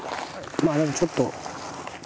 まあでもちょっと。